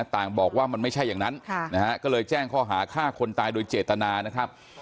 ต่างบอกว่ามันไม่ใช่อย่างนั้นนะฮะก็เลยแจ้งข้อหาฆ่าคนตายโดยเจตนานะครับ